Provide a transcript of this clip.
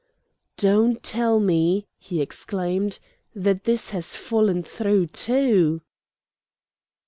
"Don't tell me," he exclaimed, "that this has fallen through too!"